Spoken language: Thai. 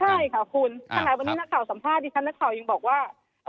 ใช่ค่ะคุณขนาดวันนี้นักข่าวสัมภาษณ์ดิฉันนักข่าวยังบอกว่า